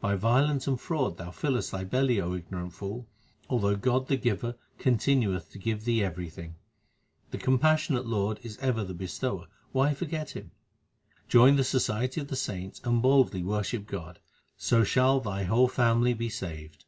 By violence and fraud thou fillest thy belly, O ignorant fool, Although God the Giver continueth to give thee everything. The compassionate Lord is ever the Bestower ; why for get Him ? Join the society of the saints and boldly worship God, so shall thy whole family be saved.